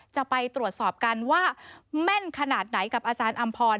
จะไปตรวจสอบกันว่าแม่นขนาดไหนกับอาจารย์อำพร